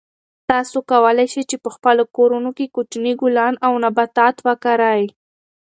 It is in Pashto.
تاسو کولای شئ چې په خپلو کورونو کې کوچني ګلان او نباتات وکرئ.